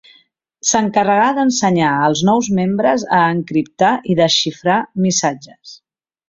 S'encarregà d'ensenyar als nous membres a encriptar i desxifrar missatges.